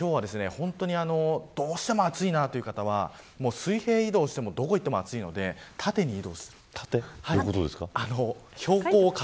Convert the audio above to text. どうしても暑いなという方は水平移動しても、どこ行っても暑いので、縦に移動する。